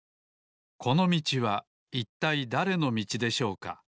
このみちはいったいだれのみちでしょうか？